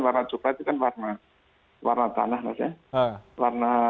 warna coklat itu kan warna tanah maksudnya